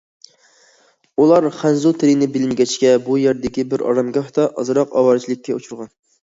ئۇلار خەنزۇ تىلىنى بىلمىگەچكە، بۇ يەردىكى بىر ئارامگاھتا ئازراق ئاۋارىچىلىككە ئۇچرىغان.